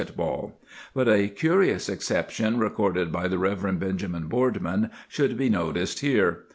150 ] Camp Duties ball; but a curious exception recorded by the Rev. Benjamin Boardman should be noticed here.